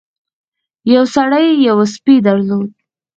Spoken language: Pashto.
یو سړي یو سپی درلود.